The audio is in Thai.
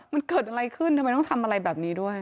มันเกิดอะไรขึ้นทำไมต้องทำอะไรแบบนี้ด้วย